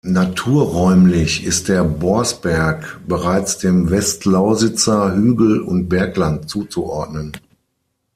Naturräumlich ist der Borsberg bereits dem Westlausitzer Hügel- und Bergland zuzuordnen.